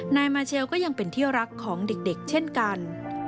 นายมาเชลก็ยังเป็นที่รักของเด็กเช่นกัน